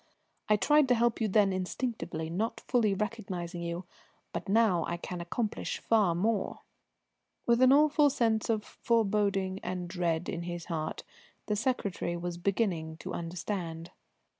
"I tried to help you then instinctively, not fully recognising you. But now I can accomplish far more." With an awful sense of foreboding and dread in his heart, the secretary was beginning to understand.